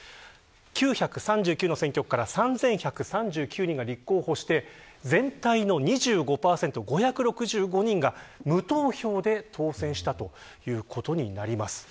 ９３９の選挙区から３１３９人が立候補して全体の２５％、５６５人が無投票で当選したということになります。